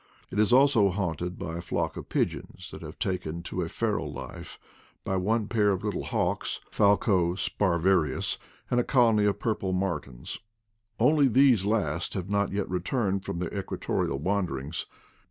It is also haunted by a flock of pigeons that have taken to a feral life, by one pair of little hawks (Falco sparverius), and a colony of purple mar tins; only these last have not yet returned from their equatorial wanderings.